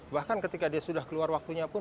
bahkan ketika dia sudah keluar waktunya pun